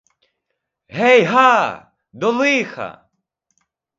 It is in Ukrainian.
Гей га, до лиха!